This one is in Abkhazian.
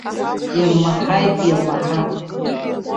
Ирмаҳаит, ирмаҳа!